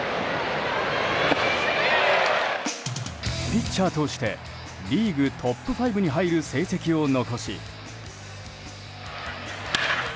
ピッチャーとしてリーグトップ５に入る成績を残し。